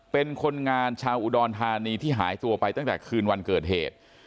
เป็นคนงานชาวอุดรธานีที่หายตัวไปตั้งแต่คืนวันเกิดเหตุ